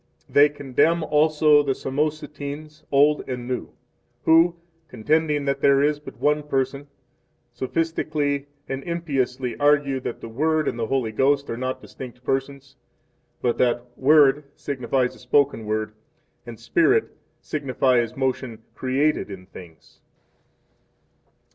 6 They condemn also the Samosatenes, old and new, who, contending that there is but one Person, sophistically and impiously argue that the Word and the Holy Ghost are not distinct Persons, but that "Word" signifies a spoken word, and "Spirit" signifies motion created in things.